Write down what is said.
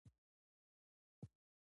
د نړیوالو علمي څيړنو برخه ځوانان دي.